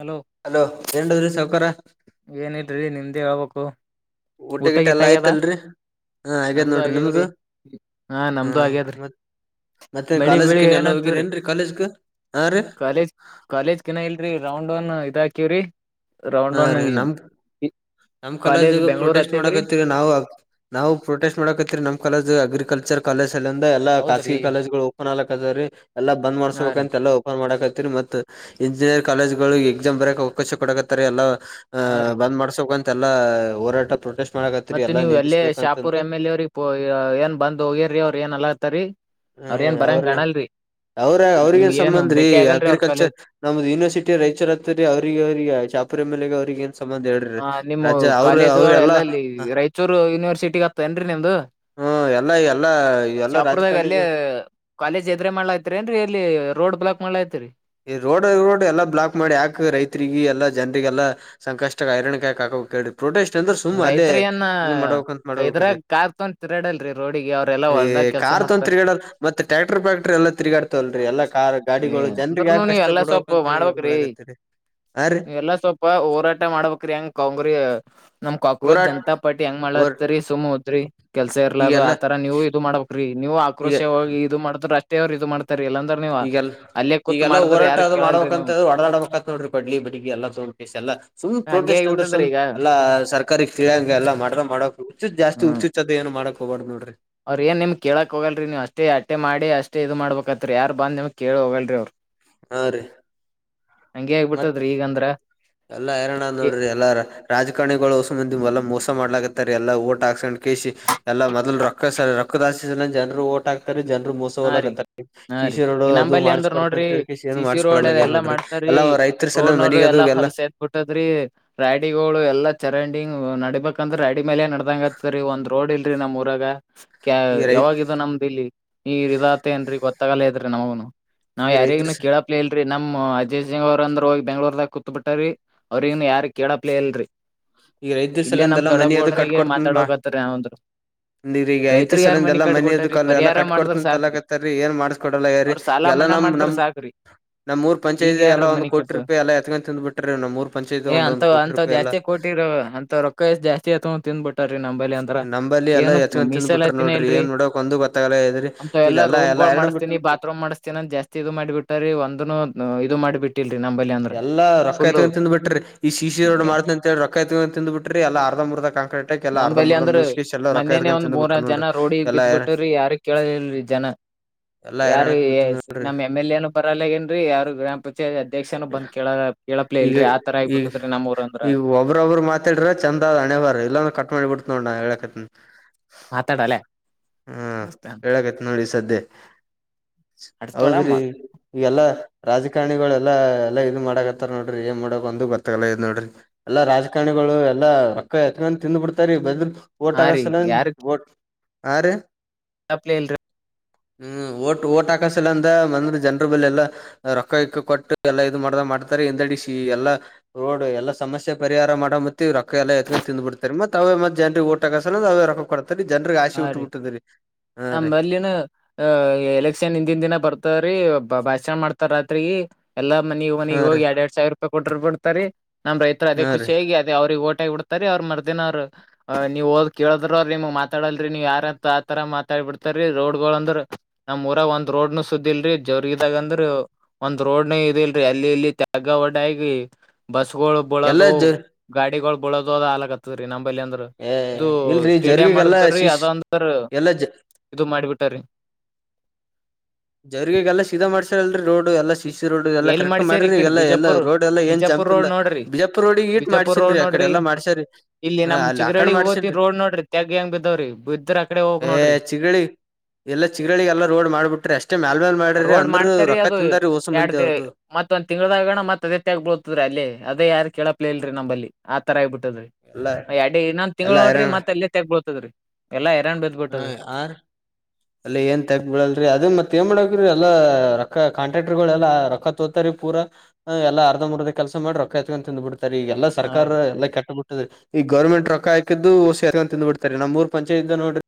Hello hello ಎನ್ ನಾದದಡ ರಿ ಸೌಕರ. ಏನಿಲ್ರಿ ನಿಮ್ದೇ ಹೇಳ್ಬೇಕು ಊಟ ಗಿಟ ಎಲ್ಲ ಆಯ್ತಲ್ರರಿ. ಹಾ ಆಗ್ಯದ ನಮ್ದು ನೋಡ್ರಿ ಆಗ್ಯದ್ರಿ ನಿಮ್ದು ಹಾ ನಮ್ದು ಆಗ್ಯದ್ರಿ ಮತ್ ಮತ್ತೆ ಮಳಿ ಬೆಳಿ ಕಾಲೇಜ್ಕ ಏನ್ ಎಲ್ಲ ಹೋಗಿರಿ ಏನಂತದ್ರಿ ಏನ್ರರಿ ಕಾಲೇಜ್ಗ ಹಾ ರೀ. ಕಾಲೇಜ್ ಕಾಲೇಜ್ ಕಿನ ಇಲ್ರರಿ ರೌಂಡ್ ಒನ್ ಇದಾಕ್ಯವ್ರಿ. ರೌಂಡ್ ಹಾ ಒನ್ ರೀ ನಮ್ ನಮ್ ಕಾಲೇಜ್ ಕಾಲೇಜಗ ಬೆಂಗಳೂರು ಪ್ರೊಟೆಸ್ಟ್ ಅತ್ಯಾದ್ರಿ. ಮಾಡಕತ್ತೀರಿ ನಾವು ನಾವು ಪ್ರೊಟೆಸ್ಟ್ ಮಾಡಕತ್ರಿ ನಮ್ ಕಾಲೇಜ್ ಅಗ್ರಿಕಲ್ಚರ್. ಕಾಲೇಜ್ ಸಲೆಂದ ಎಲ್ಲಾ ಖಾಸಗಿ ಹೌದ್ರಿ ಕಾಲೇಜ ಗಳು ಓಪನ್ ಆಲ ಕುಂತವ್ರಿ ಎಲ್ಲ ಬಂದ್ ಹಾ ರೀ ಮಾಡ್ಬೇಕಂತೆ ಎಲ್ಲ. ಓಪನ್ ಮಾಡಕತ್ತರಿ ಮ ಇಂಜಿನಿಯರಿ್ ಕಾಲೇಜ್ ಿಗೆ ಎಕ್ಸಾಮ್ ಬರಕ್ ಅವಕಾಶ ಕೊಡಕತ್ತಾರೆ ಎಲ್ಲಾ. ಆ ಹಾ ರೀ ಬಂದ್ ಮಾಡ್ಬೇಕಕ್ಂತೆ ಎಲ್ಲ ಹೋರಾಟ ಪ್ರೊಟೆಸ್ಟ್. ಮಾಡಕತ್ರಿ ಮತ್ತೆ ಎಲ್ಲಾ ನೀವು ಎಲ್ಲೇ ಶಾಪುರ್ ನಿಲ್ಲಿಸ್ಬೇಕಂತಂದು ಎಮ್ ಎಲ್ ಅವ್ರಿಗೆ ಏನ್ ಬಂದ್ ಹೋಗ್ಯರಿ ಅವ್ರ ಏನ್ ಅನಲಕುಂತರ್ರಿ. ಹ ಅವ್ರ ಅವ್ರ ನಿಮ್ಗ ಅವ್ರಿಗೇನ್ ಏನು ಸಂಬಂದ್ರಿ ಭೇಟಿ ಆಗಲ್ರಿ ಅವ್ರ ಅಗ್ರಿಕಲ್ಚರ್. ಕಾಲೇಜ್ ನಮ್ದ ಯೂನಿವರ್ಸಿಟಿ ರೈಚೂರ್ ಆತುದ್ರಿ ಅವ್ರರಿಗೆ ಅವ್ರರಿಗೆ ಶಹಾಪುರ ಎಂಎಲ್ಎ ಅವರಿಗೆ ಏನ್ ಸಂಬಂಧರಿ ಹೇಳಿ. ಹಾ ನಿಮ್ಮ ಕಾಲೇಜುಗಳ ಎಲ್ಲಲ್ಲಿ ರಾಯಚೂರು ಯೂನಿವರ್ಸಿಟಿ ಆತ್ತೇಏನ್ರರಿ ನಿಮ್ದು. ಹ್ಮ ಎಲ್ಲಾ ಎಲ್ಲಾ ಎಲ್ಲಾ ರಾಜಕಾರಣಿ. ಅಲ್ಲಿ ಕಾಲೇಜ್ ಎದ್ರೆ ಮಾಡ್ಲಾತಿರಿ ಏನ್ರಿ ಅಲ್ಲಿ ರೋಡ್ ಬ್ಲಾಕ್ ಮಾಡ್ಲತಿರಿ. ಈ ರೋಡ್ ರೋಡ್ ಎಲ್ಲಾ ಬ್ಲಾಕ್ ಮಾಡಿ ಯಾಕ್ ರೈತರಿರಿಗೆ ಎಲ್ಲಾ ಜನ್ರಿಗೆಲ್ಲಾ. ಸಂಕಷ್ಟ ಐರಣ ಯಾಕ ಹಾಕ್ಬೇಕು ಹೇಳಿ. ಪ್ರೊಟೆಸ್ಟ್ ಅಂದ್ರ ಸುಮ್ಮ್ ಅಲ್ಲೇ ರೈತರ ಏನ್ ಇದು ಮಾಡ್ಬೇಕಕ್ಂತ ಮಾಡ್ಬೇಕ್ರೀ. ಇದ್ರಾಗ ಕಾರ್ ತಗೊಂಡ್ ತಿರಾಡಲ್ರಿ ರೋಡಿಗೆ ಅವ್ರೆಲ್ಲಾ ಈ ಹೊಲ್ದಾಗ ಕೆಲ್ಸ ಕಾರ್ ತೊ ಮಾಡ್ತಾರ ತಿರುಗಾಡಲ್ಲ ಮತ್ತ ಟ್ಯಾಕ್ಟರ್ ಫ್ಯಾಕ್ಟ್ರರಿ ಎಲ್ಲಾ ತಿರುಗಾಡ್ತವಲ್ರರಿ ಎಲ್ಲಾ ಕಾರ್ ಏ ಗಾಡಿಗಳು ಜನ. ಮುಂದುಕ್ ಅಂದ್ರನು ಯಾಕ್ ನೀವ್ ಕಷ್ಟ ಎಲ್ಲಾ ಪಡಬೇಕಕ್ ಅಂತ ಹೇಳಿ ಇದು ಮಾಡಕುಂತಿವಿರೀ. ನೀವು ಎಲ್ಲಾ ಸ್ವಲ್ಪ ಹೋರಾಟ ಮಾಡ್ಬೇಕ್ರಿ ಹೆಂಗ ಕಂಗರಿ ನಮ್ ಕಾಕ್ರೋಚ್ ಹೋರಾಟ್ ಜನತಾ ಪಾರ್ಟಿ ಹೆಂಗ ಹೋರ್ ಮಾಡಕ್ಕೊಂತಾರ್ರೀ ಸುಮ್ ಉದ್ರರಿ ಕೆಲ್ಸ ಇರ್ಲದು ಈಗೆಲ್ಲಾ ಆತರ ನೀವು ಇದು ಮಾಡಬೇಕು. ರೀ ನೀವು ಈಗ ಆಕ್ರೋಶ ಹೋಗಿ ಇದು ಮಾಡ್ತಾರ ಅಷ್ಟೇ ಅವ್ರು ಇದು ಮಾಡ್ತಾರ ಇಲ್ಲಾಂದ್ರೆ. ಈಗಲ್ಲ ಈಗೆಲ್ಲಾ ಹೋರಾಟ ಅದು ಕೇಳಲ್ರಿ ಮಾಡಬೇಕಂತ ನೀವ್ ಹೊಡೆದಾಡಬೇಕಾಗುತ್ತದ ನೋಡ್ರಿ ಕೊಡ್ಲಿ ಬಡಗಿ ಎಲ್ಲ ತೋಂಗೆಸೀ ಎಲ್ಲ. ಸುಮ್ ಹಂಗೆ ಪ್ರೊಟೆಸ್ಟ್ ಅಂದ್ರೆ ಆಗ್ಬಿಟ್ಟದ್ರಿ ಸುಮ್ ಈಗ ಎಲ್ಲ ಸರ್ಕಾರ. ಸರ್ಕಾರ ತಿಳಂಗ ಎಲ್ಲ ಮಾಡ್ರ ಮಾಡೋಕ್ ಹುಚ್ಚು ಜಾಸ್ತಿ ಹ್ಮ್ ಹುಚ್ಚದ ಏ ಮಾಡೋಕ್ ಹೋಗ್ಬಾರ್ದು ನೋಡ್ರಿ. ಅವ್ರ ಏನು ನಿಮ್ ಕೇಳೋಕ್ ಹೋಗಲ್ರಿ ನೀವು ಅಷ್ಟೇ ಅಟ್ಟೆ ಮಾಡಿ ಅಷ್ಟೇ ಇದು ಮಾಡಬೇಕಕ್ತ್ತತ್ರಿ ಯಾರು ಬಂದು ನಿಮ್ಗೆ ಕೇಳಿ ಹೋಗಲ್ರರಿ ಅವ್ರು. ಹಾ ರೀ. ಹಂಗೆ ಮತ್. ಆಗ್ಬಿಟ್ಟದ್ರಿ ಈಗಂದ್ರ ಎಲ್ಲಾ ರೋ್ಣ ನೋಡ್ರಿ ಎಲ್ಲಾರ ರಾಜಕಾರಣಿಗಳುಸಂದ ಎಲ್ಲ ಮೋಸ ಮಾಡಲಾಕತ್ತ ರೀ ಎಲ್ಲ ವೋಟ್ ಹಾಕಿಸಿಕೊಂಡು. ಕೆಸಿ ಎಲ್ಲ ಮೊದಲು ರೊಕ್ಕ ರೊಕ್ಕದಾಸೀ ಜನರು ವೋಟ್ ಹಾಕ್ತಾರೆ ಜನರು ಮುಸ. ಹಾ ರೀ ಸೋಲಕತ್ತರ ಹಾ ರೀ ಶಿಶಿರೋಡು ಈ ಅದು ನಂಬಲ್ಲಿ ಮಾಡಿಸಿ ಅಂದ್ರ ಕೊಡ್ತೀನಿ ನೋಡ್ರಿ ಅಂತ ಹೇಳಿ ಏನು ಸಿಸಿ ರೋಡ್ ಮಾಡಿಸಿಕೊಡಲಾಗ್ಯಾರ ಎಲ್ಲಾ ನೋಡ್ರಿ. ಮಾಡ್ತಾರೀ ಅಲ್ಲಾ ರೈತರು ಸಲ ಮನಿ ಅದೆಲ್ಲ. ಕೊಟ್ಟದ್ರಿ ರಾಡಿಗಳು ಎಲ್ಲಾ ಚರಂಡಿಂಗ್ ನಡಬೇಕ. ಯಾಕಂದ್ರೆ ರಾಡಿ ಮೇಲೆ ನಡ್ದಂಗ ಆತ ರೀ ಒಂದ್ ರೋಡ್ ಇಲ್ರರಿ ನಮ್ ಊರಾಗ ಈ ರೈತ್ ಯಾವಾಗ ಇದು ನಮ್ದ್ ಇಲ್ಲಿ. ಈ ಇದಾತ ದೇನ ಏನ್ರಿ ಗೊತ್ತಾಗಲ್ಲೇ ಇದ್ರಿ ನಮಗುನು ನಾವ್ ಈ ರೈತರ ಯಾರಿಗ ಕೇಳ. ಪ್ಲೇಲ್ರಿ ನಮ್ ಅಜಯ್ ಸಿಂಗ ಅವರಂದ್ರು ಹೂಗೀ ಬೆಂಗಳೂರ್ದಾಗ ಕೂಂತ್ ಬಿಟ್ರಾರಿ ಅವ್ರಿಗನ್ ಯಾರ ಕೇಳಪಲೇ ಇಲ್ರರಿ. ಈಗ ರೈತ ಸಲಿಂದಲ್ಲ ಮನ ಅದು ಕಟ್ಕೊಡ್ತ ಮಾ. ಮಾತಾಡೋಕತ್ತರಿ ನಾವಂತ್ರು ಈಗ ರೈತ ರೈತರಿಗ್ ಯಾರ್ ಸಲಂದ ಎಲ್ಲ ಕಟ್ ಮನಿ ಕೊಟ್ಟಾರಿ ಕಲ್ಲ ಎಲ್ಲಾ ಪರಿಹಾರ ಕಟ್ ಮಾಡಿದ್ರ ಕೊಡ್ತೀನಿ. ಸಾಕ್ರಿ ತಲಕತ್ತರಿ ಏನ್ ಮಾಡ್ಸ್ಕೊಡಲ್ಲರಿ ಅವ್ರ ಸಾಲ ಎಲ್ಲಾ ಮನ್ನಾ ನಮ ಮಾಡಿದ್ರ ನಮ್. ಸಾಕ್ರಿ ನಮ್ಮ್ ಊರು ಈಗ ಪಂಚಾಯತಿ ಯಾರ ಎಲ್ಲ ಒಂದು ಮನಿ ಕೋಟಿ ಕಟ್ತಾರ ರೂಪಾಯಿ ಎಲ್ಲ ಎತ್ಕೊಂಡ ತಿಂದ್ ಬಿಟ್ರೆ ನಮ್ಮ ಮೂರು ಪಂಚಾಯಿತಿ ಒಂದ ಒಂದು ಕೋಟಿ ರೂಪಾಯಿ ಎಲ್ಲ. ಕೊೋಿರ ಅಂತ ರೊಕ್ಕ ಎಷ್ಟ ಜಸ್ತಿಯತ ತಿಿಂದನ್ಬಿಟ್ಟು. ಇರ್ತಾರಿ ನಂಬೇಲಿ ಅಂದ್ರ ನಂಬಲ್ಲಿ ಎಲ್ಲಾ ಏನು ಎತ್ಕೊಂಡ್ ತಿಂದ್ ಬಿಟ್ರ ಮೀಸಲಾತಿನೆ ನೋಡ್ರಿ ಇಲ್ರರಿ. ಏನ್ ನೋಡಕ್ ಒಂದು ಗೋತಲಾಗ್ಯಾದ್ರಿ. ಅಂತ ಎಲ್ಲ ರೂಮ್ ಗಳು ಮಾಡ್ತೀನಿ ಬಾತ್ೂಮ್ ಮಾಡ್ತೀನಂದ್ ಜಾಸ್ತಿ ಇದು ಮಾಡಿಬ ಬಿಟ್ಟ್ರರಿ ಒಂದ ಇದು ಮಾಡಿಬಿಟ್ಟ. ಇಲಿ ನಂಬಲ್ಲಿ ಅ ಎಲ್ಲ ರೊಕ್ಕ ಏತಗೊಂಡಂತಿಂದ್ ಬಿಟ್ರರಿ ಈ ಸಿಸಿರೋಡ್ಡ ಮಾಡತನಂತ ಹೇಳಿ ರೊಕ್ಕ ಏತಗೊಂಡಂತಿಂದ್ ಬಿಟ್ಟರೀ. ಬಿ್ರಿ ಎಲ್ಲ ಅರ್ಧ ಮುರ್ದ ಕಾಂಕ್ರೀಟ್ ಎಲ್ಲ ಅರ್ಧ ನಂಬಲ್ಲಿ ಮುರ್ದ ಅಂದ್ರ ಮುಗಿಸಿ ಗೆಸಿ ಎಲ್ಲೋ ರೊಕ್ಕ ಮೊನ್ನೆನೆ ಏತಗೊಂಡಂತಿಂದ್ ಬಿಟ್ರರೀ ನೋಡ್ರಿ ಎಲ್ಲ. ಕೇಳೋರು ಇಲ್ಲರಿ ಜನ ಯಾರ ಹೈರಾಣಕ್ ಬಿದ್ದ ನೋಡ್ರಿ ನಮ್ ಎಂ ಎಲ್ ಎ ಎನುೂ ಬರಲ್ಲಗೇನ್ರೀ ಯಾರು ಗ್ರಾಮ ಪಂಚಾಯತ್. ಅಧ್ಯಕ್ಷನ ಬಂದ ಕೇಳ ಕೇಳಪ್ಲೇ ಇಲ್ರಿ ಆ ತರಾ ಆಗಿ ಬಿಟ್ಟತದ್ರೀ ನಮ್ಮ್ ಊರು ಅಂದ್ರ ಒಬೊಬ್ಬರ ಮಾತಾಡ್ರ ಚಂದ್ ಅದ ಹಣೆಬರ್ ಇಲ್ಲಂದ್ರ ಕಟ್ ಮಾಡ ಬಿಡ್ತ ನೋಡ ನಾ ಹೇಳಕತನ ಮಾತಾಡೋ ಲ್ಲೇ ಹುಂ ಹೇಳಕೈತ್ ನೋಡಿ ಈ ಸದೆ ಅಡಸ್ಬೇಡ ಹೌದ್ರಿ ಮತ್ ಈವೇಲಾ ರಾಜಕಾರಣಿಗಳೆಲ್ಲಾ ಎಲ್ಲಾ ಮಾಡಕತ್ತರ್ ನೋಡ್ರಿ ಏನ್ ಮಾಡಕ ಒಂದು ಗೊತ್ತಾಗಲ್ಲ ನೋಡ್ರಿ. ಎಲ್ಲಾ ರಾಜಕಾರಣಿಗಳು ಎಲ್ಲಾ ರೊಕ್ಕಾ ಎತಕೋಂಡ ತಿಂದು ಬಿಡ್ತಾರೆ ಬದಲು ಓಟ್ ಹಾ ರೀ ಆಗೋಸಲದ ಯಾರು ಆ ರೀ ಪ್ಲೇ ಇಲ್ರಿ ಹುಂ ಓಟ್ ಓಟ್ ಹಾಕಸಲ್ಲೆಂದ ಅಂದ್ರ ಜನ್ರ ಬಲೆ ಎಲ್ಲಾ ರೊಕ್ಕಾ ಗಿಕ್ಕಾ ಕೊಟ್ಟು ಎಲ್ಲಾ ಇದು ಮಾಡ್ದಗ ಮಾಡ್ತಾರೆ ಹಿಂದೆಡಿಸಿ ಎಲ್ಲಾ ರೋಡ್ ಎಲ್ಲಾ ಸಮಸ್ಯೆ ಪರಿಹಾರ ಮಾಡ ಮತ್ತ ರೊಕ್ಕಾ ಎಲ್ಲಾ ಎತ್ಕೊಂಡ ತಿಂದ್ ಬಿಡ್ತಾರೆ ಮತ್ ಅವೆತ್ ಜನರಿಗೆ ಓಟಹಾಕಸಲಂದ ಅವೆ ರೊಕ್ಕಾ ಕೊಡ್ತಾರೆ ಜನರಿಗೆ ಆಸಿ ಉಟ್ಟಿ ನಂಬಲ್ಲಿನ್ನು ಅಹ ಎಲೆಕ್ಷನ್ ಹಿಂದಿನ ದಿನ ಬರ್ತ್ರೀ ಭಾಷಣ ಮಾಡ್ತಾರ ರಾತ್ರಿಗಿ ಎಲ್ಲಾ ಮನಿ ಹಾ ಮನೆಗ್ ರೀ ಹೋಗಿ ಎರಡ ಎರಡ್ ಸಾವಿರ ರೂಪಾಯಿ ಕೊಟ್ಟು ಬಿಡ್ತಾರೆ ನಮ ರೈತ ಅದೇ ಹಾ ರೀ ಖುಷಿಯಾಗಿ ಅವ್ರಿಗೆ ಓಟ ಬಿಡ್ತಾರೆ ಅವ್ರ ಮರ್ದಿನ ಅವ್ ನೀವು ಹೊದ ಕೇಳಿದ್ರ ಅವ್ರು ನಿಮ್ ಮ ಮಾತಾಡಲ್ರಿ ನೀವ್ ಯಾರಂತ ಆತರಾ ಮಾತಾಡ್ ಬಿಡ್ತಾರೀ ರೋಡ್ ಗಳು ಅಂದ್ರ ನಮ್ ಊರಾಗ ಒಂದ್ ರೋಡನು ಸುದ್ದ ಇಲ್ರಿ ಜವರಗಿದಾಗಂದ್ರ ಒಂದ್ ರೋಡನು ಇದೆಲ್ರರಿ ಅಲ್ಲಿ ಇಲ್ಲಿ ತೇಗ್ಗ ವಡ ಆಗಿ ಬಸ್ಸುಗಳು ಬೀಳೋದು ಎಲ್ಲಾ ಜ ಗಾಡಿಗಳು ಬಿಳೋದು ಅದು ಆಗಲಾಕ್ತದ ರೀ ನಂಬಲ್ಲಿ ಅಂದ್ರು ಏ ಇದು ಇಲ್ರಿ ಸ್ಟೇಡಿಯಂ ಜರ್ಗಿಗೆಲ್ಲಾ ಮಾಡ್ರೀ ಶಿಶ್ ಅದಂದ್ರ ಎಲ್ಲಾ ಜ ಇದು ಮಾಡಿಬಿಟ್ರಾರೀ ಜೆವರಿಗಿಗೆಲ್ಲಾ ಸೀದಾ ಮಾಡ್ಸರಲ್ರಿ ರೋಡ್ ಎಲ್ಲಾ ಸಿ ಸಿ ರೋಡ್ ಎಲ್ಲಾ ಎಲ್ಲಿ ಕರೆಕ್ಟ್ ಮಾಡ್ಸ್ಯರಿ ಈ ಮಾಡಿರಿ ಕಡೆ ಎಲ್ಲಾ ಎಲ್ಲಾ ಬಿಜಾಪುರ್ ರೋಡ್ ಎಲ್ಲಾ ಏನ್ ಬಿಜಾಪುರ್ ಜಂಪ್ ರೋಡ್ ಇಲ್ಲಾ ನೋಡ್ರಿ ಬಿಜಾಪ್ಪುರ ರೋಡಿಗೆ ಈಟ್ ಬಿಜಾಪುರ್ ರೋಡ್ ಮಾಡ್ಸಲ್ರಿ ಆ ಕಡೆ ನೋಡ್ರಿ ಎಲ್ಲಾ ಮಾಡ್ [unintelligible] ಇಲ್ಲಿ ನಮ್ ಚಿಗರಳ್ಳಿಗ್ ಹೋತ್ ರೋಡ್ ನೋಡ್ರಿ ತೆಗ್ಗ ಹೆಂಗ ಬಿದ್ದಾವ್ರಿ ಬಿದ್ರ ಅಕಡೆ ಹೋಗಕ್ ನೋಡ್ರಿ. ಚಿಗರಳ್ಳಿ ಎಲ್ಲಾ ಚಿಗರಳಿಗೆ ಎಲ್ಲಾ ರೋಡ್ ಮಾಡ್ಬಿಟ್ರಿ ಅಷ್ಟೇ ಮ್ಯಾಲ್ಲ್ ಮಾಡರಿ ಅಂದ್ರು ರೊಕ್ಕಾ ತಿಂದಾರ ರೀ ಎಡ್ ದೇ ಮತ್ತೊಂದ್ ತಿಂಗಳ್ ಆಗಣತ್ ಅದೇ ತೆಗ್ಗ ಬೀದಬೀಡತದರಿ ಅದೇ ಯಾರು ಕೇಳಪ್ಲ ಇಲ್ರಿ ನಂಬಲ್ಲಿ ಆ ತರಾ ಆಗಿ ಬಿಟ್ಟದ್ರರಿ ಎಲ್ಲಾ ಎಡ್ಡೆ ಇನ್ ತಿಂಗಳು ಎಲ್ಲಾ ನೋಡ್ರಿ ಹೈರಾಣ ಮತ್ತ ಅಲೇ ತೆಗಬಳ್ತದ್ರೀ ಎಲ್ಲಾ ಐರನ್ ಬೀಳ ಹ್ ಆರೀ ಅಲ್ಲೇ ಏನ್ ತೆಗ್ಗಬಿಳಲ್ರರಿ ಅದೇ ಮತ್ತ ಏನ್ ಮಾಡಕ್ರೀ ಎಲ್ಲಾ ರೊಕ್ಕಾ ಕಾಂಟ್ರಾಕ್ಟರ್ ಗಳೆಲ್ಲಾ ರೊಕ್ಕಾ ತೋತಾರಿ ಪೂರಾ ಎಲ್ಲಾ ಅರ್ಧ ಮೂರ್ದ ಕೆಲಸ ಮಾಡಿ ರೊಕ್ಕಾತ್ಕೊಂಡಂತಂದು ಬಿಡ್ತಾರೆ ಈ ಎಲ್ಲಾ ಹಾ ರೀ ಸರ್ಕಾರ ಎಲ್ಲಾ ಕೆಟ್ಟಬಿಟ್ಟ ಅದ ಈ ಗೌರ್ಮೆಂಟ್ ರೊಕ್ಕಾ ಹಾಕಿದ್ದುಸಿ ತಿಂದು ಬಿಡ್ತಾರೆ ನಮ್ಮೂರ್ ಪಂಚಾಯತ್ ನೋಡ್ರಿ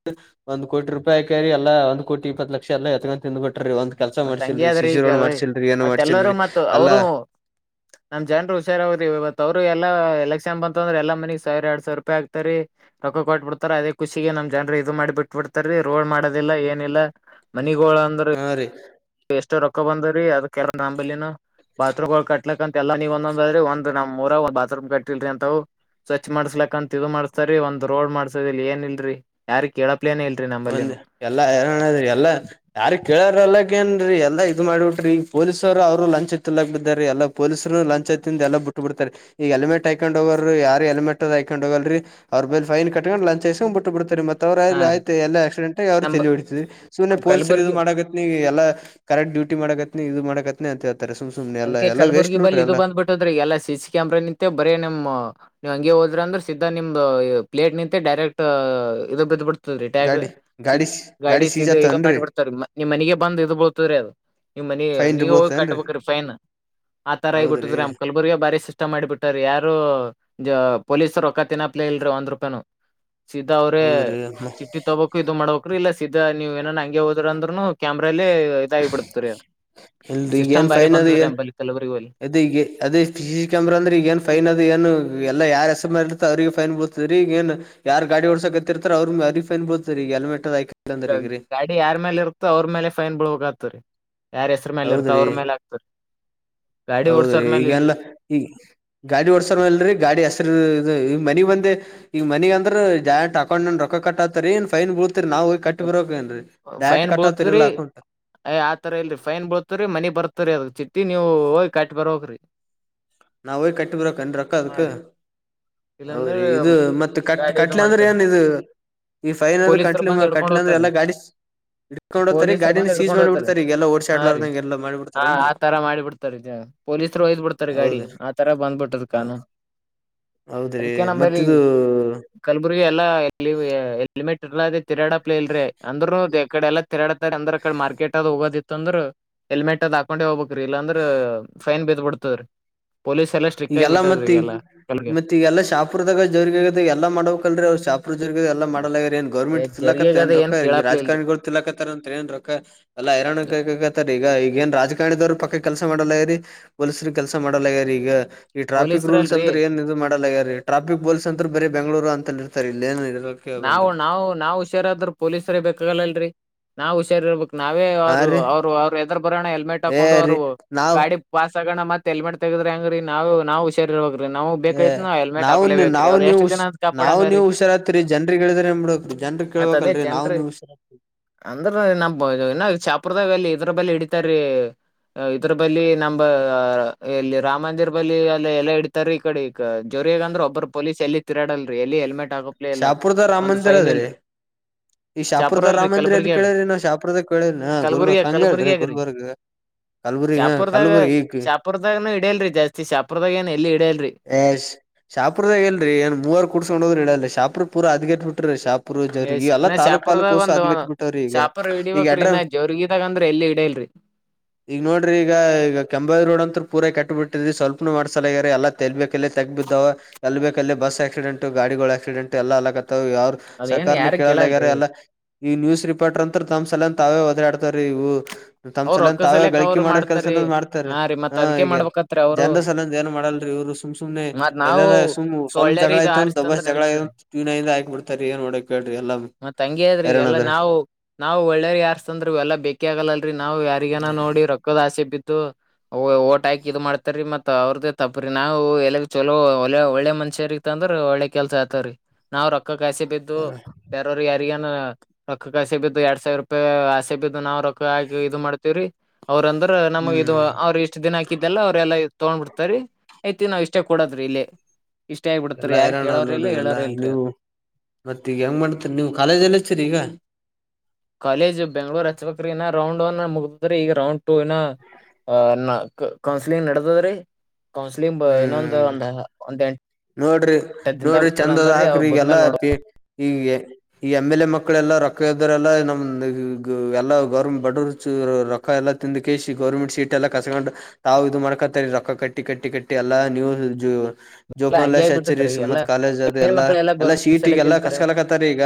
ಒಂದ್ ಕೋಟಿ ರೂಪಾಯಿ ಆಕಾರಿ ಎಲ್ಲಾ ಒಂದು ಕೋಟಿ ಇಪತ್ತ ಲಕ್ಷ ಎಲ್ಲ ಎತ್ತಕೊಂಡ ತಿಂದ್ಬಟ್ಟು ಒಂದ್ ಕೆಲ್ಸ ಮತ್ ಹಂಗೆ ಮಾಡ್ಸಿಲ್ರರಿ ಅದ್ರಿ ಸಿಸಿ ಈಗ ರೋಡ್ ಮಾಡ್ಸಿಲ್ರಿ ಏನ ಮತ್ ಎಲ್ಲರೂ ಮಾಡ್ಸಿಲ್ರರಿ ಮತ್ ಎಲ್ಲಾ ಅವರು ನಮ್ ಜನ್ರು ಹುಷಾರ ಅವ್ರಿ ಇವತ್ ಅವರು ಎಲ್ಲಾ ಎಲೆಕ್ಷನ್ ಬಂತ ಅಂದ್ರೆ ಎಲ್ಲ ಮನಿಗ್ ಸಾವಿರ ಎಡ್ ಸಾವಿರ ರೂಪಾಯಿ ಆಕತ್ತಾರಿ ರೊಕ್ಕಾ ಕೊಟ್ಬಿಡ್ತಾರರಿ ಅದ ಖುಷಿಗೆ ನಮ್ ಜನರ ಇದು ಮಾಡಿ ಬಿಟ್ಟಟ್ಬ ಬಿಡ್ತಾರೀ ರೋಡ್ ಮಾಡೋದಿಲ್ಲಾ ಏನಿಲ್ಲಾ ಮನಿಗೋಳ ಅಂದ್ರೆ ಹಾ ರೀ ಎಷ್ಟೋ ರೊಕ್ಕಾ ಬಂದ್ರೀ ಅದ ಕೆರ ನಂಬಲಿನು ಬಾತ್ರೂಮ್ ಗಳು ಕಟ್ಲಕ್ಕ ಅಂತ ಎಲ್ಲಾ ಮನಿಗೊಂದೊಂದು ಒಂದ ನಮ್ಮೂರ ಒಂದ ಬಾತ್ರೂಮ ಕಟ್ಟಿಲ್ರಿ ಅಂತಾವು ಸ್ವಚ್ ಮಾಡಸ್ಲಕ್ ಅಂತಾ ಇದು ಮಾಡ್ಸರ್ತಾರಿ ಒಂದ್ ರೋಡ್ ಮಾಡ್ಸದ ಇಲ್ಲಾ ಏನ್ ಇಲ್ರರಿ ಯಾರ ಕೇಳವ ಪ್ಲೇ ಇಲ್ರಿ ಒಂದ್ ನಂಬಲ್ಲಿನು ಎಲ್ಲಾ ಹೈರಾನದ ಎಲ್ಲಾ ಯಾರ ಕೇಳಾರ ಎಲ್ಲಾಕೆ ಏನ್ರೀ ಎಲ್ಲಾ ಇದ್ ಮಾಡ್ಬಿಟ್ರಿ ಈ ಪೊಲೀಸರು ಅವ್ರು ಲಂಚಾ ತಿನ್ನಲಾಕ್ ಬಿದ್ದಾರೀ ಎಲ್ಲಾ ಪೊಲೀಸರು ಲಂಚತಿಂದ ಎಲ್ಲ ಬಿಟ್ಟಬ ಬಿಡ್ತಾರೆ ಈಗ ಎಲ್ಮೆಟ್ ಹೈಕೊಂಡ್ ಹೋಗೋರು ಯಾರ ಹೆಲ್ಮೆಟ್ ಅ ಹಕೊಂಡ್ ಹೋಗಲ್ರರಿ. ಅವ್ರೂಾಯ ಫೈನ್ ಕಟ್ಟಕೊಂಡ ಲಂಚ್ಸ ಬಿಟ್ಟು ಬಿಡ್ತಾರೆ ಮೆ ಅವ್ರ ಹಾ ರೀ ಆಯ್ತ ಎಲ್ಲ ಆಕ್ಸಿಡೆಂಟ್ ಅವ್ರು ನಮ್ ತಲಿ ಹಡತಿದ ಸುಮ್ಮನೆ ನಮ್ ಪೊಲಸರ್ ಕಲ್ಬುರ್ಗಿ ಇದು ಮಾಡುತ್ತೆ. ನೀ ಎಲ್ಲ ಕರೆಕ್ಟ್ ಡ್ಯೂಟಿ ಮಾಡಕತ್ನಿ ಇದು ಮಾಡಾಕತ್ನಿ ಅಂತ ಹೇಳ್ತಾರೆ ಸು್ ಸು್ನೆ ಎಲ್ಲ ವೇಸ್ಟ್ ನೋಡ್ರಿ ಎಲ್ಲ. ದ್ರ ಎಲ್ಲಾ ಸಿ ಸಿ ಕ್ಯಾಮ್ರಾ ನಿಂತಂತೆ ಬರೇ ನಿಮ್ಮ್. ನೀವ್ ಹಂಗೆ ಹೋದ್ರಿ ಅಂದ್ರೆ ಸಿದ್ಧ ನಿಮ್ದ ಪ್ಲೇಟ್ ನಿಂತಂತೆ ಡೈರೆಕ್ಟ್ ಇದ ಬಿ ಬಿಡ್- ಟ್ಯಾ ಗಾಡಿ ಗಾಡಿ ಗಾಡಿ ಸೀಜ್ ಇ ಮಾಡಿ ಆತವನ್ರಿ ಬಿಡ್ತಾರೀ ನಿ ಮನೆಗೆ ಬಂದ್ ಇ ಬಳ್ತದ್ರೀ ಅದು. ನಿಮ್ ಮನ ಫೈನ್ ನೀವ ಹೋಗ ಬೀಳ್ತೇನ್ರಿ ಕಟ್ಬೇಕ್ರೀ ಫೈನ್ ಆ ತರ ಈಗ ಹೌದ್ರಿ ಬಿಟ್ಟದ್ರಿ ಅಮ. ಕಲ್ಬುರ್ಗ ಬಾರಿ ಸಿಸ್ಟಮ್ ಮಾಡಿಬಿಟ್ಟಾರ ಯಾರು ಪೊಲೀಸರು ರೂಕ್ಕ ತಿನ್ನಪ್ಲೇ ಇಲ್ರಿ ಒಂದ್ ರೂಪಾಯನು. ಸೀದಾ ಅವ್ರೇ ಹೌದ್ರಿ ಚಿಟ್ಟಿ. ತಗಬೇಕ ಇದು ಮಾಡ್ಬೇಕ ಇಲ್ಲ ಸೀಧಾ ನೀವ ಏನನ್ ಹಂಗೆ ಹದ್ರ ಅಂದ್ರುನು ಕ್ಯಾಮ್ರಾಲೇ. ರಾಗಿ ಬಿಡತ ರೀ ಸಿಸ್ಟಮ್ ಬಾರಿ ಬಂದದ ರೀ ನಂಬಲಿ ಕಲಬುರಗಲ್ಲಿ. ಅದು ಈ ಅದೇ ಸಿ ಸಿ ಕ್ಯಾಮ್ರಾ ಅಂದ್ರೆ ಈ ಏನು ಫೈನ್ ಅದು ಏನು ಎಲ್ಲ ಯಾರ ಹೆಸರು ಮೇಲೆ ಇರುತ್ತೋ ಅವ್ರಿಗೆ ಫೈನ್ ಬೋಲ್ತದ ರೀ ಈಗಏನು. ಯಾರ್ ಗಡಿ ಓಡಸಕತ್ತಿರ್ತ ಅವ್ರರು ಅರಿ ಫೈನ್ ಬರ್ತಾರೆ ಈಗ ಹೆಲ್ಮೆಟ್ ಅದ. ಹಾಕಿಲ್ಲ ಈಗ ಅಂದ್ರ ಈಗ್ರೀ ಗಾಡಿ ಯಾರ್ ಮೇಲೆ ಇರ್ತೋ ಅವ್ರ ಮೇಲೆ ಫೈನ್ ಬಿಳ ಹೋಗ ಆತವ ರೀ ಯಾರ್ ಹೆಸ್ರ ಮೇ ಇರ್ತ ಹೌದ್ರಿ ಅವ್ರ ಮೇಲೆ ಆತ. ಹೌದ್ರಿ ಈಗಲ್ಲ ಇಲ್ರಿ ಈಗ ಗಾಡಿ ಓಡ್ಸರ್ಲ್ರಿ ಗಾಡಿ ಹಸರು ಈ ಮನಿ ಬಂದೆ. ಈಗ ಮನಿ ಅಂದ್ರ ಡೈರೆಕ್ಟ್ ಅಕೌಂಟ್ ನೆನೆ ರೊಕ್ಕ ಕಟ್ಟಾತರಿ ನ್ ಫೈನ್ ಬೀಳತರಿ ನಾ ಹೋಗಿ ಕಟ್ಟಿ ಬರಬೇಕ್ ಏನ್ ರಿ ಡೈರೆಕ್ಟ್ ಕಟ್ಟತಿ ಇರ್ಲ್ಲಾಕಂ. ಅಯ್ ಆ ತರ ಇಲ್ರಿ ಫೈನ್ ಬೋಳ್ತರಿ ಮನಿ ಬರ್ತರಿ ಅದಕ್ ಚಿಟ್ಟಿ ನೀವು ಹೋಗಿ ಕಟ್ಟಿ ಬರ್ಬೇಕು ಹೋಗ್ರಿ. ನಾ ಹೋಗ್ ಕಟ್ಟಿ ಬರಕನ್ ರೋಕ್ಕ ಹಾ ಅದಕ್ಕೆ. ರೀ ಹೌದ ಇಲ್ಲಾಂದ್ರ ರಿ ಇದು ಮತ್ತೆ ಕಟ್ ಗಾಡಿ ಇದು ಕಟ್ಲೆ ಅಂದ್ರೆ ಮಾಡ್ತಾರಿ ಏನ್ ಇದು. ಈ ಫೈನ್ ಅ್ರ ಕಟ್ ಪೊಲೀಸರು ಬಂದ್ ಹಿಡ್ಕೊಂಡ್ ಕಟ್ಲ ಹೋಗ್ತಾರಿ ಅಂದ್ರೆಲ್ಲಾ ಗಾಡಿ. ಇಡ್ಕೊಂಡ್ ಹೋಗ್ತಾರೀ ಪೊಲೀಸರು ಬಂದ್ ಗಾಡಿನ ಸೀಜ ಹಿಡ್ಕೊಂಡ್ ಹೋಗ್ತಾರಿ ಮಾಡ್ಬಿಡ್ತಾರ ಈಗಲ್ಲಾ ಓಡ್ಸಾ ಹಾ ರೀ ಆಡ್ಲಾರದಂಗೆ ಎಲ್ಲಾ ಮಾಡಿಬಿಡ್ತಾರ ಹಾ ಆ ಏನ್ರರಿ. ತರ ಮಾಡಿ ಬಿಡ್ತಾರಿ ಪೊಲೀಸರು ವೈದ್ ಬಿಡ್ತಾರೆ ಗಾಡಿ ಆ ತರ ಬಂದ್ಬಿಟ್ಟದ ಹ ಕಾನು. ಹೌದ್ರಿ ಅದಕ್ಕೆೇ ನಂಬರ. ಮತ್ತಿದು ಕಲ್ಬುರ್ಗಿ ಎಲ್ಲಾ ಹೆಲ್ಮೆಟ್ ಇರಲಾರದ ತಿರಾಡಪ್ಲ ಇಲ್ರಿ ಅಂದ್ರು ಕಡೆ ಎಲ್ಲ. ತರಡ ತ ಅಂದ್ರ ಅ ಕಡೆ ಮಾರ್ಕೆಟ್ ಅದ ಹೋಗೋದಿತ್ತ ಅಂದ್ರ. ಹೆಲ್ಮೆಟ್ ಅದ್ ಹಾಕೊಂಡೆ ಹೋಗ್ಬೇಕ್ ರಿ ಇಲ್ಲಾಂದ್ರ ಫೈನ್ ಬೀದ ಬಿಡ್ತದ್ರೀ. ಪೊಲೀಸ್ ಎಲ್ಲಾ ಸ್ಟ್ರಿಕ್ಟ್ ಆಗಿಬ ಬಿಟ್ಟದ್ರ ಈಗೆಲ್ಲ. ಈ ಎಲ್ಲಾ ಶಾಪರ್ದಾಗ ಜೇವರ್ಗಿ ಆಗ ಎಲ್ಲ ಮಾಡಬೇಕಕ್ಲ್ರಿ ಅವ್ರ ಶಾಪ್. ಮಾಡಲ್ಲ ಗ್ಯಾರ ಗೌರ್ಮೆಂಟ್ ತಿನ ಜರ್ಗಿಗ ಅದ ಕತ್ತುದೇನು ರೊಕ್ಕ ಏನ್ ಕೇಳಪ್ಲೆ ಇಲ್ರಿ ರಾಜಕಾರಣಿಗಳು ತಿನಾಕತ್ತಾರೇನು ರೊಕ್ಕ. ಅಲ್ಲ ಹೈರಾಣ ಕತ್ತರಿ ಈಗ ಈಗೇಏನ್ ರಾಜಕಾರಣದವರು ಪಕ್ಕ ಕೆಲಸ ಮಾಡಲ್ಲ ರಿ. ಪೊಲಸ್ರ ಕೆಲ್ಸ ಮಾಡಲ್ಲಗ್ಯಾರ ಈಗ ಈ ಟ್ರಾಫಿಕ್ ಪೊಲೀಸ್ರ ರೂಲ್ಸ್ ಅಲ್ರಿ ಅಂತ್ರ ಏನ್ ಇ ಮಾಡಲ್ಲಗ್ಯಾರಾರಿ. ಟ್ರಾಿಕ್ ಬಲ್ಸ್ ಅಂತ್ರ ಬರೆ ಬೆಂಗಗಳೂರು ಅಂತಲ್ಲಿ ಇರ್ತಾರೆ ಇಲ್ಲ ಏ ಇ. ನಾವು ನಾವು ನಾವ್ ಹುಷಾರಾದ್ರರು ಪೊಲೀಸ್ರ ಬೇಕಾಗಲ್ಲಲ್ರರಿ ನಾವ್ ಹುಷಾರಿರ್ಬೇಕ. ನಾವೇ ಹಾ ಅವ್ರು ರೀ ಅವ್ರು ಅವ್ರು ಹೆದ್ರ ಬರೋಣ ಹೆಲ್ಮೆಟ್ ಏ ಹಾಕೊಂಡು ಅವರು ರೀ ನಾವ್ ಗಾಡಿ. ವಾಸಸ್ ತಗಣ ಮತ್ ಎಲ್ಮೆಟ್ ತಗದ್ರಿ ಅಂಗ್ರೀ ನಾವು ನಾವು. ಚರಿರ್ ಹೋಗ್ರಿ ನಾವು ಏ ಬೇಕೈ ನವು ಹೆಲ್ಮೆಟ್ ನಾವು ಹಾಕ್ೇಬೇಕ್ರೀ ಅವ್ರ ಎಷ್ಟ ದಿನ ಅದ ಕಾಡಂಗ ರೀ. ಜನ್ರಿಗೆಗ್ ಹೇಳಿದ್ರ ನ. ಮತ್ತ ಅದೇ ಜನ್ರು. ಅಂದ್ರ ನಮ ಇನ್ನ ಶಾಪುರ್ದಾಗ ಎಲ್ಲಿ ಇದ್ರ ಬೆಲ್ಲ ಹಡಿತಾರಿ. ಇದ್ರ ಬಲ್ಲಿ ನ ಎಲ್ಲಿ ರಾಮ ಮಂದಿರ್ ಬಳಿ ಎಲ್ಲ ಎಲ್ಲ ಇಡ್ತಾರೆ ಈ ಕಡೆ. ಜೋರಿಯ ಅಂದ್ರೆ ಒಬ್ಬ ಪೊಲೀಸ್ ಎಲ್ಲಿ ತಿರಡಲ್ರಿ ಎಲ್ಲಿ ಹೆಲ್ಮೆಟ್ ಹಾ. ಶಾಪುರದ ರಾಮ್ ಮಂದಿರ್ ಅದ್ರೀ. ಚಾಪುರ್ ಶಾಪುದ ಅಲ್ರಿ ರಾಮಂದಿ ಎಲ್ಲಿ ಕಲಬುರ್ಗಿಯಾಗ ಕೇಳಿದಿರಿ ನಾ ಶಾಪುರದ ಕೇಳೇರಿ ಗುಲ್ಬರ್ಗ್ ಕಲಬುರ್ಗಿಯಾಗ ಹಂಗೆ ಹೇಳ್ರಿ ಕಲಬುರ್ಗಿಯಾಗ್ರಿ ಗುಲ್ಬರ್ಗ. ಶಾಪುರ್ದಾಗ ಶಾಪುರ್ದಾಗನು ಇಡಿಯಲ್ರಿ ಜಾಸ್ತಿ ಶಾಪುರ್ದಾಗ ಏನ್ ಎಲ್ಲಿ ಇಡಲ್ರರಿ. ಎ ಶಾಪುರ್ದಾಗ ಎಲ್ಲರಿ ಏನ್ ಮೂವರ ಕುಡ್ಸ್ಕೊಂಡ ಹೋದ್ರು ಹಿಡಿಯಲ್ರಿ ಶಾಪೂರ ಪೂರಾ ಹದಗೆಟ್ಟ ಬಿಟ್ಟರಿ ಶಾಪ್ ಪುರದವ್ರಿಗಿ ಎಲ್ಲಾ. ಇನ್ನ ತಾಲೂಕ್ ಪಾಲೂಕ್ ಶಾಪುರ್ದಾಗ ಒಸು ಒಂದು ಹದ್ಗೆಟ್ಟ ಬಿಟ್ಟವ್ರಿ ಈಗ ಶಾಪುರ್ ಈಗ ಹಿಡಿಬೇಕ್ರಿ ಎಡ್ರ ಇನ್ನ ಜೋರ್ಗಿದಾಗ ಅಂದ್ರ ಎಲ್ಲಿ ಹಿಡಿಯಲ್ರಿ ಈಗ ನೋಡ್ರಿ ಈಗ ಈಗ ಕೆಂಂಬಾಯಿ ರೋಡ್ ಅಂತೂ ಪೂರ ಕೆಟ್ಟ ಬಿಟ್ಟಿದ್ ಸ್ವಲ್ಪ್ನುೂ ಮಾಡ್ಸಲಾಗ್ಯಾರ ಎಲ್ಲ ಎಲ್ಲಬೇಕಾಲ್ಲೆ ತೆಗ್ಗಬಿದ್ದವ. ಎಲ್ಲ ಬೇಕ ಅಲ್ಲಿ ಬಸ್ ಆಕ್ಸಿಡೆಂಟ್ ಗಾಡಿಗೋಳ ಆಕ್ಸಿಡೆಂಟ್ ಎಲ್ಲ ಅಲ್ಲಕತ್ತಾವ ಇವ ಯಾರು ಅದ ಏನ್ ಸರ್ಕಾರನೆ ಯಾರ ಕೇಳಲ್ಲಾಗೇರಾ. ಕೇಳಲ್ರಿ ಈ ನ್ಯೂಸ್ ರಿಪೋರ್ಟರ್ ಅಂತ ತಮ್ಮ್ ಸಲವಂದ್ ತಾವೇ ಒದರಾಡ್ತಾವರಿ ಇವು. ತಮ್ಮ್ ಅವ್ರ ಸಲಂದ ರೊಕ್ಕ ತಾವೇ ಸಲಯಕ್ ಗಳಿಕಿ ಅವ್ರು ಮಾಡೋ ಕೆಲ್ಸ ಮಾಡ್ತಾರೀ ಎಲ್ಲ ಮಾಡ್ತಾರ ಹಾ ರೀ ಮತ್ ಹ ಅದ್ಕೆ ಈಗ ಮಾಡ್ಬೇಕತ್ರಿ ಅವ್ರು ಜನರ ಸಲಂದ ಏನ್ ಮಾಡಲ್ರಿ ಇವರು ಸುಮ್ ಸುಮ್. ಸುಮ್ನೆ ಮತ್ ನಾವು ಎಲ್ಲಾರ ಸುಮ್ ಸ್ವಲ್ಪ್ ಜಗಳ ಟೊಳ್ಳೇರಿದ ಐತ್ತಂತ ಆರಿಸ್ತಂದ್ರ ದಬಾಸ್ ಜಗಳ ನಡೀತದ್ರಿ. ಆಗೇತಂತ ಟಿವಿ ನೈನ್ನ್ಯಾಗ್ ಹಾಕಿ ಬಿಡ್ತಾರಿ ಏನ್ ಮಾಡೋದ್ ಬೇಡ್ರಿ ಎಲ್ಲಾಮು. ತಂಗಿಯದ್ರಿಗ್ ಎಲ್ಲಾ ನಾವು ನಾವು ಒಳ್ಳೇರಗ್ ಆರಿಸಿ ತಂದ್ರು ಇವೆಲ್ಲಾ ಬೇಕೇ ಆಗಲ್ಲ. ರಿ ನಾವು ಯಾರಿಗನ ನೋಡಿ ರೊಕ್ಕದಾಸೆಗ್ ಬಿದ್ದು. ಓ ಓಟ ಹಾಕಿ ಇದ್ ಮಾಡ್ತಾರೀ ಮತ್ ಅವ್ರದ್ದೇ ತಪ್ಪ್ರ ನಾವು ಎಲ್ಲರ ಚಲೋ ಒ ಒಳ್ಳೆ ಮನಷ್ಯರಿಗಿ. ತಂದ್ರ ಒಳ್ಳೆ ಕೆಲ್ಸ ಆತಾವ ರೀ ನಾವ್ ರೊಕ್ಕಕ್ಕ್ ಆಸೆ ಬಿದ್ ಇದು ಬೇರವರ ಯಾರಿಗನ ರೊಕ್ಕಕ್ಕ್ ಆಸೆ ಬಿದ್ದು ಯಾಡ್ ಸಾವಿರ ರೂಪಾಯಿ ಆಸೆ ಬಿದ್ದು ನಾವವ ರೊಕ್ ಹಾಗ ಇದು ಮಾಡ್ತವ್ರಿ ಅವ್ರ ಅಂದ್ರ ನಮಗೆ ಇದು ಹ್ಮ್ ಅವ್ರ ಇಷ್ಟ. ಇಷ್ಟ ದಿನ ಹಾಕಿದ್ದೆಲ್ಲ ಅವ್ರೆಲ್ಲ ತಗೊಂಡ್ಬಿಡ್ತಾರಿ ಐತಿ ನಾವ್ ಇಷ್ಟೇ ಕುಡದ್ರೀ ಇಲ್ಲಿ. ಇಷ್ಟೇ ಆಗಿಬಿಡತ್ತರಿ ಎಲ್ಲಾ ಯಾರ ಹೈರಾಣ ಕೇಳೋರ ಇಲ್ಲ ನೋಡ್ರಿ ಎಲ್ಲಾ ಹೇಳೋರ್ ಇಲ್ರಿ. ನೀವು ಮತ್ತ ಈಗ ಹೆಂಗ್ ಮಾಡ್ತರಿ ನೀವು ಕಾಲೇಜ್ ಎಲ್ಲ ಹಚ್ಚಿರಿ ಈಗ. ಕಾಲೇಜ್ ಬೆಂಗ್ಳೂರ್ ಹಚ್ಬೇಕ್ರಿ ಇನ ರೌಂಡ್ ಒನ್ ಮುಗದದ್ರಿ ಈಗ ರೌಂಡ್ ಟೂ ಇನ. ಅ ನ ಕೌನ್ಸಲಿಂಗ್ ನಡದದ್ರಿ ಕೌನ್ಸಲಿಂಗ್ ಇನ್ನೊಂದ ಹ್ಮ್ ಒಂದ ಹ ಒಂದ ಎಂ ನೋಡ್ರಿ ನೋಡ್ರಿ ಚಂದದ ಅವ್ ಹಾಕ್ರಿ ಈಗೆಲ್ಲಾ ಬದ್ಮೇಲ್ ನೋಡ ಪಿ ಈಗೆ ಈ ಎಮ್ಎಲ್ಎ ಮಕ್ಕಳೆಲ್ಲ ರೊಕ್ಕ ಇದ್ದರೆಲ್ಲಾ ನಮ್ ಎಲ್ಲಾ ಗೌರ್ಮೆಂ ಬಡ ರು ಕ್ಕಾ ಎಲ್ಲ ತಿಂದ ಕೇಶಿ ಗೌರ್ಮೆಂಟ್ ಸೀಟ ಎಲ್ಲ ಕಸ್ಕೊಂಡ ತಾವ್ ಇದು ಮಾಡ್ಕೊತಾರಿ ರೊಕ್ಕ ಕಟ್ಟಿ ಕಟ್ಟಿ ಕಟ್ಟಿ ಎಲ್ಲಾ ನೀವು ಜು ಹಂಗೆ ಜೋಪಾನಲೆಶಿ ಆಗಿ ಹಚ್ಚರಿ ಬಿಟ್ಟತ್ರಿ ಎಲ್ಲಾ ಸುಮತ್ ಕಾಲೇಜ್ ಅದ ಹೆಣ್ಣ ಎಲ್ಲಾ ಮಕ್ಳ ಎಲ್ಲಾ ಗೌರ್ಮೆಂಟ್ ಸಿಟಿಗ ಸಲೆಕ್ ಎಲ್ಲಾ ಕೇಳ್ತಾರೆ ಕಸಕಲಕತ್ತಾರಿ ಈಗ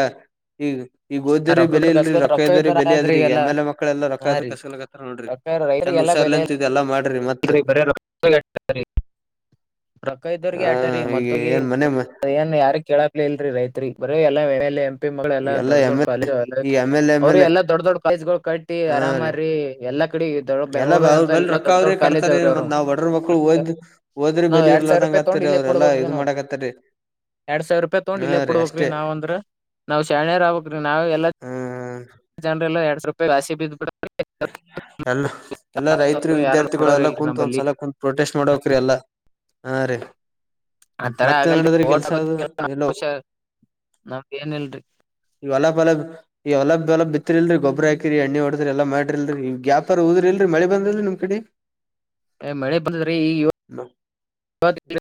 ಈಗ ಈಗ ಒದ್ದಿವರೀಗ ರೊಕ್ಕ ಬೆಲಿ ಕಡೆ ಇಲ್ರಿ ಕಸ್ಕೋತ ರೊಕ್ಕ ಇದ್ದವರೀಗ ಇದ್ದರ ಬೆಲ ಆದ್ರಿ ಅದ್ರಿ ಈಗ ಎಲ್ಲಾ ಎಮ್ಎಲ್ಎ ಮಕ್ಕಳೆಲ್ಲಾ ರೊಕ್ಕ ಹಾ ಎದಕ್ ರೀ ಕಸಲ್ ನೋಡ್ರಿ ರೊಕ್ಕ ಚಂದ ರೈತರಿಗೆಲ್ಲಾ ಹುಷಾರ್ಲಿ ಬೆಲೆ ಅಂತ ಇದೆಲ್ಲಾ ಮಾಡ್ರಿ ಮತ್ [unintelligible] ರೊಕ್ಕ ಇದ್ದವರಿಗೆ ಹಾ ಆಟರಿ ಈಗ ಏನ್ ಮನೆ ಏನ್ ಯಾರು ಕೇಳಾಕ್ಲೆ ಇಲ್ರಿ ರೈತ್ರಿಗ್ ಬರೆ ಎಲ್ಲಾ ಎಮ್ಎಲ್ಎ ಎಂಪಿ ಮಕ್ಳ್ ಎಲ್ಲ ಎಲ್ಲಾ ದೊಡ್ಡ ಎಮ್ ದೊಡ್ ಎಲ್ ಕಾಲೇಜ ಈ ಎಮ್ ಎಲ್ ಎಮ್ ಅವರು ಎಲ್ ಎ ಎಲ್ಲಾ ದೊಡ್ಡ ದೊಡ್ಡ ಕಾಲೇಜಗಳ ಕಟ್ಟಿ ಹಾ ರೀ ಆರಾಮಾರಿ ಎಲ್ಲ ಕಡೆ ಈ ದೊಡ್ಡ ಬೆಂಗಂಗಳೂರ್ ಅಂತ ಎಲ್ಲ ದೊಡ್ಡ ದೊಡ್ಡ ಮ ನಾವ್ ಬಡರ್ ಮಕ್ಳು ಓದ್ ಓದ್ರಿ ನಾವ್ ಬೆಲಿ ಎರಡ್ ಸಾವಿರ ಇರ್ಲದಂಗ ರೂಪಾಯಿ ತೊಗೊಂಡ್ ಆತ್ತರಿ ಅವ್ರ ಎಲ್ಲಾ ಇದು ಮಾಡಕ್ತ್ತತರಿ ಯಾಡ್ ಸಾವರ ರೂಪಾಯಿ ತಗೊಂಡ ಇಲ್ಲೆ ಕೊಡ್ಬೇಕರೀ ನಾವ ಅಂದ್ರ ನಾವ್ ಶಾಣ್ಯಾರ ಆಗ್ಬೇಕ್ರಿ ನಾವ ಎಲ್ಲ ಹ್ಮ್ ಹ್ಮ. ಜನರೆಲ್ಲ ಯಾಡ್ ಸಾವರ ರೂಪಾಯಿ ಆಸೆಗ ಬಿದ್ದ ಬಿಟ್ಟಾರಿ ಎಲ್ಲ ಎಲ್ಲಾ ರೈತರು ಯಾರು ವಿದ್ಯಾರ್ಥಿಗಳು ನೋಡೋರ್ ಎಲ್ಲಾ ಇಲ್ರಿ ಕುಂತು ನಂಬಲ್ಲಿ ಒಂದ್ಸಲ ಕುಂತ ಪ್ರೊಟೆಸ್ಟ್ ಮಾಡ್ಬೇಕ್ರಿ ಎಲ್ಲಾ ಹಾರಿ. ಆತರ ಮತ್ ಏನ್ ಆಗಲ್ರಿ ನಡದ್ರಿ ಓಟ್ ಕೆಲ್ಸ ಅದು ಹಾಕೋದ ಎಲ್ಲೋ ನಮ್ದ ಏನಿಲ್ರಿ ಈ ಹೊಲಾ ಪಲಾ ಈಗ ಹೊಲ ಬಿಲ್ ಬಿತ್ರಿಲ್ರಿ ಗೊಬ್ಬರ ಹಾಕಿರಿ ಎಣ್ಣೆ ಹೊಡದ್ರ ಎಲ್ಲಾ ಮಾಡ ರಿಲ್ರಿ ಈ ಗ್ಯಾಪರ ಉಗದಿರಿಲ್ರಿ ಮಳಿ ಬಂದದ ನಿಮ್ ಕಡೆ. ಎ ಮಳಿ ಬಂದದ್ರಿ ಈ ಇವ್ ಇವ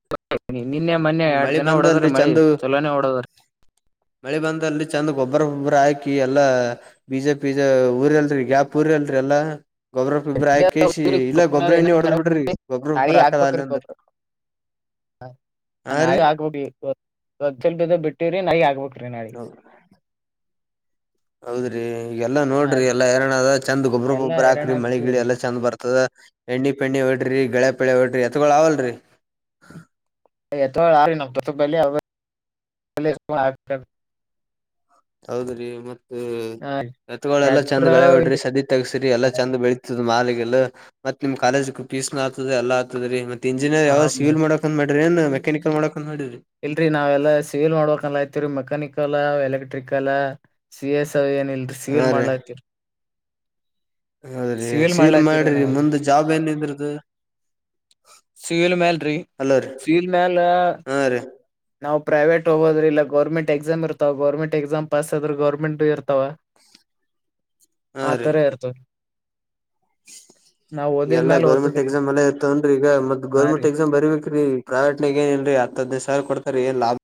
ನಿನ್ನೆ ಮೊನ್ನೆ ಈ ಯಾಡ್ ಮಳಿ ದಿನ ಹೊಡದದ್ರಿ ಬಂದಲ್ರಿ ಮಳಿ ಚಂದ ಚಲೋನೇ ಹೊಡದದ್ರಿ. ಮಳೆ ಬಂದಲ್ಲಿ ಚಂದ ಗೊಬ್ಬರ ಗಿಬ್ಬರ ಹಾಕಿ ಎಲ್ಲಾ ಬಿಜೆ ಪಿಜ ಊರಲ್ರಿ ಗ್ಯಾಪ್ ಪೂರಿಲ್ರೆ ಎಲ್ಲ ಗೊಬ್ರೊಪಿಬ್ರ ಇದ ಹಾಕೆಸಿ ಊರಿಗ್ ಇಲ್ಲ ಗೊಬ್ರ ಇನ್ನ ಎಣ್ಣಿ ಹೊಡದ್ ಕರವ್ ಬಿಡ್ರಿ ಗೊಬ್ಬ್ರ ಗಿಬ್ಬ್ರ ಹಾಕದ ಆಗ್ಲಿಲ್ಲ ಅಂದ್ರ [unintelligible] ಹಾ ಹಾ ರೀ ನಾವಿ ಆಗ್ಬಬೇಕ ಒಂದ್ ಸ್ವಲ್ಪ ಇದ ಬಿಟ್ಟಿವ್ರೀ ನಾಯಿ ಆಗ್ಬಬೇಕಕ್ರಿ ನಾಗೆ. ಹೌದ್ರಿ ಈಗ್ ಎಲ್ಲ ಹಾ ನೋಡ್ರಿ ರೀ ಎಲ್ಲಾ ಎರಡದ್ ಚಂದ ಎಲ್ಲಾ ಹೈರಾಣ ಗೊಬ್ಬ್ರೊಬ್ರಾಕ್ರಿ ಮಳೆ ಗಿಳ ಆಗ್ಬಿಟ್ಟಿವ್ರಿ ಎಲ್ಲ ಚಂದ್ ಬರ್ತದ. ಎಣ್ಣಿ ಪೆಣ್ಣಿ ಹೊಡ್ರಿ ಗಳೆ ಪಳೆ ಹೊಡ್ರಿ ಎತ್ಗಳು ಅವಲ್ರಿ. ಎತ್ಗಳ್ [unintelligible] [unintelligible] [unintelligible] ಹೌದ್ರಿ ಮತ್ ಹಾ ರೀ ಎತ್ತುಗಳೆಲ್ಲಾ ಚಂದ್ ಟ್ರ್ಯಾಕ್ಟರ್ ಗಳೆ ಬಿಡ್ರಿ ಇಲ್ರಿ ಸದಿ ತಗಸ್ರರಿ ಎಲ್ಲಾ ಹಾ ರೀ ಚಂದ ಬೆಳ ಮಾಗೆಲ್ಲ ಮತ್ತತ್ ನಿಮ್ ಕಾಲೇಜ ಫೀಸ್ ನ ಆತದೆ ಎಲ್ಲ ಆತದರಿ ಮತ್ತೆ ಇಂಜಿನಿಯರ್ ಹಾ ಯಾವ್ದ ಬ- ಸಿವಿಲ್ ಮಾಡ ಅಂದ ಮಾಡ್ರಿ ಏನ್ ಮೆಕಾನಿಕಲ್ ಮಾಡಕ್ ಅಂದ್ ಮಾಡಿರಿ. ಇಲ್ರರಿ ನಾವೆಲ್ಲಾ ಸೇಲ್ ಮಾಡ್ಬೇಕಲ್ಲಯತಿವೀ mechanical electrical. C S I ಏನಿಲ್ರರಿ ಸಿ ಹಾ ಎಲ್ ರೀ ಮಾಡ್ಲಾ ತಿರಿ. ಹೌದ್ರಿ ಸೀಲ್ ಮಾಡ್ಲಾತ್ತೀವ್ರಿ ಮಾಡ್ರಿ ನಾವ್ ಮುಂದೆ ಜಾಬ್ ಏನ್ಂದ್ರದು. ಸೀಲ್ ಮೇಲ್ ರಿ ಅಲ್ಲರಿ ಸೀಲ್ ಮೇಲ. ಹಾ ರೀ ನಾವು ಪ್ರೈವೇಟ್ ಹೋಗೋದ್ರ ಇಲ್ಲ ಗರ್ಮೆಂಟ್ ಎಕ್ಸಾಮ್ ಇರ್ತಾವ ಗರ್ಮೆಂಟ್ ಎಕ್ಸಾಮ್ ಪಾಸ್ ಆದ್ರೆ ಗರ್ಮೆಂಟ್ ಇರ್ತವೆ. [unintelligible] ಹಾ ರೀ ಅತರ ಇರ್ತವೆ. ಎಲ್ಲಾ ಓದಿದ್ಮ್ಯಾಲ ಗೌರ್ಮೆಂಟ್ ಓದ್ತದ್ರಿ ಎಕ್ಸಾಮ್ ಎಲ್ಲ ಇ ತನ್ರಿ ಈಗ ಮತ್ ಹಾ ರೀ. ಗೌರ್ಮೆಂಟ್ ಎಕ್ಸಾಮ್ ಬರಿಬೇಕ್ರಿ. ಪ್ರೈವೇಟ್ ಏನ್ರಿ ಹತ್ ಹದಿನೈ ದ್ ಸಾವ್ರ ಕೊಡ್ತಾರೆ ಏನ್ ಲಾ ಬ್